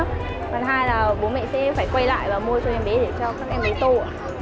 phần hai là bố mẹ sẽ phải quay lại và mua cho em bé để cho các em bé tù ạ